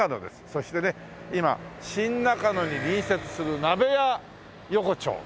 そしてね今新中野に隣接する鍋屋横丁。